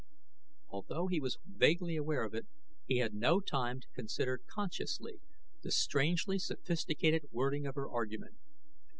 Although he was vaguely aware of it, he had no time to consider consciously the strangely sophisticated wording of her argument.